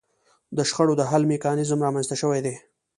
د شخړو د حل میکانیزمونه رامنځته شوي دي